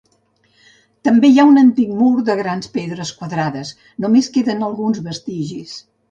També hi ha un antic mur de grans pedres quadrades, només queden alguns vestigis.